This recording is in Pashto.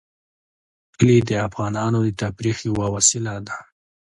کلي د افغانانو د تفریح یوه وسیله ده.